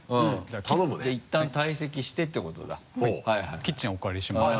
じゃあいったん退席してって事だはいキッチンお借りします。